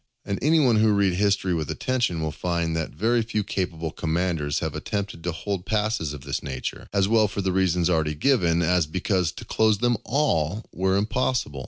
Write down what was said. And any who read history with attention will find, that very few capable commanders have attempted to hold passes of this nature, as well for the reasons already given, as because to close them all were impossible.